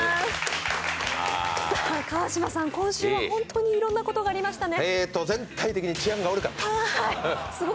川島さん、今週は本当にいろんなことがありましたね。